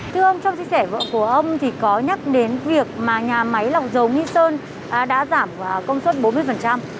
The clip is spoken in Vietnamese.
thưa ông trong chia sẻ vợ của ông thì có nhắc đến việc mà nhà máy lọc dầu nghi sơn đã giảm công suất bốn mươi